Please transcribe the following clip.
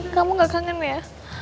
kamu gak kangen ya